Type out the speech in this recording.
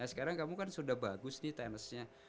nah sekarang kamu kan sudah bagus nih tennisnya